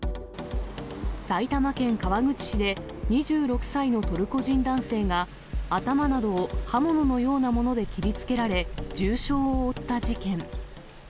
埼玉県川口市で、２６歳のトルコ人男性が、頭などを刃物のようなもので切りつけられ、重傷を負った事件。